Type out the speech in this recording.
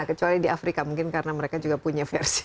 kecuali di afrika mungkin karena mereka juga punya versi